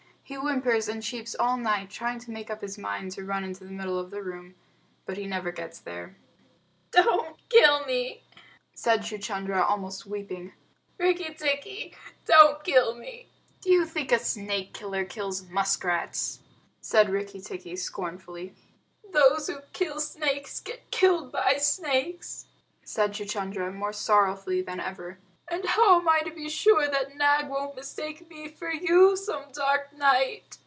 He whimpers and cheeps all the night, trying to make up his mind to run into the middle of the room. But he never gets there. "Don't kill me," said Chuchundra, almost weeping. "Rikki tikki, don't kill me!" "Do you think a snake killer kills muskrats?" said Rikki tikki scornfully. "Those who kill snakes get killed by snakes," said Chuchundra, more sorrowfully than ever. "And how am I to be sure that Nag won't mistake me for you some dark night?"